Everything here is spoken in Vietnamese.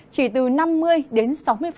chỉ từ năm mươi đến sáu mươi